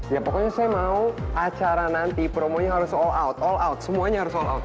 ya pokoknya saya mau acara nanti promonya harus all out all out semuanya